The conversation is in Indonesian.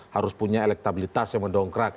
harus punya elektabilitas yang mendongkrak